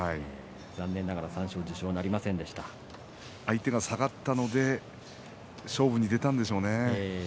残念ながら三賞受賞は相手が下がったので勝負に出たんでしょうね。